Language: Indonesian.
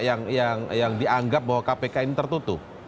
yang dianggap bahwa kpk ini tertutup